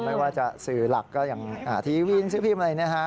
ไม่ว่าจะสื่อหลักก็อย่างทีวีนซื้อพิมพ์อะไรนะฮะ